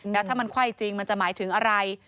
แล้วถ้ามันไขว้จริงมันจะหมายถึงอะไร